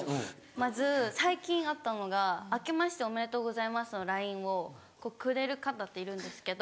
まず最近あったのが「あけましておめでとうございます」のＬＩＮＥをくれる方っているんですけど。